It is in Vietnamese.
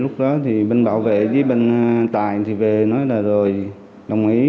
công an đã bắt giữ ba mươi năm đối tượng